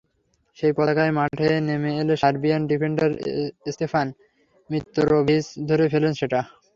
সেই পতাকাই মাঠে নেমে এলে সার্বিয়ান ডিফেন্ডার স্তেফান মিত্রোভিচ ধরে ফেলেন সেটা।